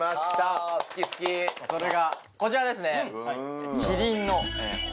好き好きそれがこちらですね